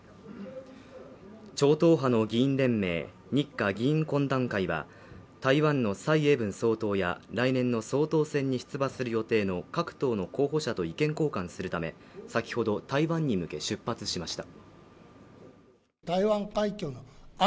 超党派の議員連盟日華議員懇談会は台湾の蔡英文総統や来年の総統選に出馬する予定の各党の候補者と意見交換するため先ほど台湾に向け出発しました